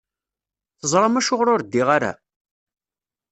Tezṛam acuɣer ur ddiɣ ara?